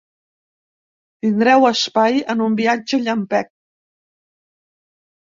Tindreu espai en un viatge llampec.